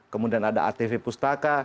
kemudian ada atv pustaka